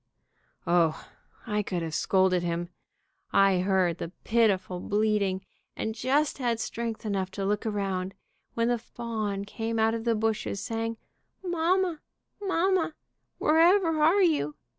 O, I could have scolded him. I heard the pitiful bleating, and just had strength enough to look around, when the fawn came out of the bushes, saying, 'Mamma! Mamma! Wherever are you?'